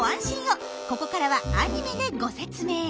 ここからはアニメでご説明。